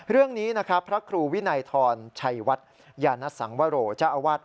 เรื่องนี้นะครับพระครูวินัยทรชัยวัดยานสังวโรเจ้าอาวาส